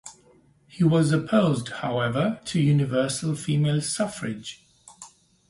He was opposed, however, to universal female suffrage.